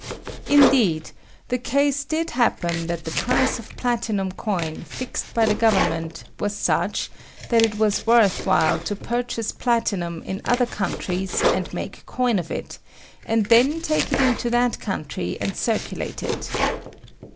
Indeed, the case did happen that the price of platinum coin fixed by the govemment was such that it was i. 1 196 VOLATILITY OF METALS. [ ^^V worth while to purchase platinum in other ^^Heountriea aad make coin of it, and then take it ^^^w&to that country and circulate it.